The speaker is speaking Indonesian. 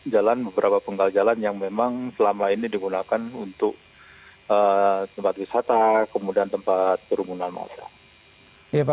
jalan beberapa penggal jalan yang memang selama ini digunakan untuk tempat wisata kemudian tempat kerumunan masa